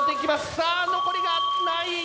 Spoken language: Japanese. さあ残りがない！